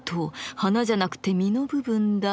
花じゃなくて実の部分だ・が・ね。